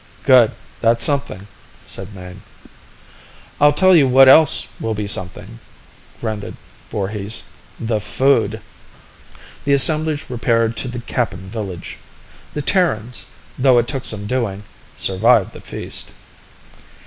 "Good, that's something," said Mayne. "I'll tell you what else will be something," grunted Voorhis. "The food!" The assemblage repaired to the Kappan village. The Terrans though it took some doing survived the feast.